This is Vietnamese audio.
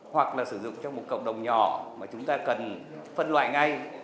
hoặc là sử dụng trong một cộng đồng nhỏ mà chúng ta cần phân loại ngay